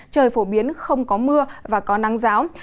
trời phổ biến không có mưa và có nắng giáo